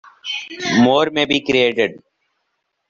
More may be created.